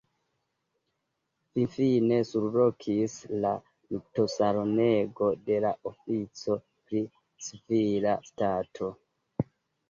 Finfine surlokis la nuptosalonego de la ofico pri civila stato.